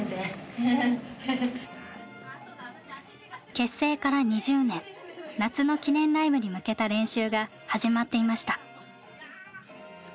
結成から２０年夏の記念ライブに向けた練習が始まっていました。